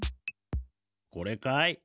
これかい？